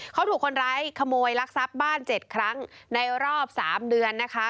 เขาถูกคนร้ายขโมยลักทรัพย์บ้าน๗ครั้งในรอบ๓เดือนนะคะ